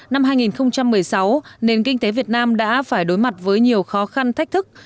năm hai nghìn một mươi sáu nền kinh tế việt nam đã phải đối mặt với nhiều khó khăn thách thức